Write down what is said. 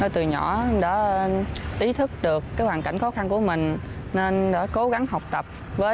từ nhỏ em đã ý thức được hoàn cảnh khó khăn của mình nên đã cố gắng học tập